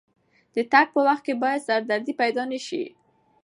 د تګ په وخت کې باید سردردي پیدا نه شي.